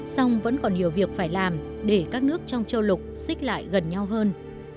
song vẫn còn nhiều việc phải làm để các nước trong châu lục xích lại gần nhau hơn